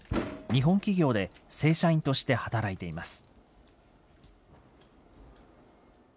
日本企業で正社員として働いています。